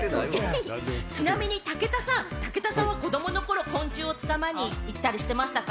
ちなみに武田さん、武田さんは子供の頃、昆虫を捕まえに行ったりしてましたか？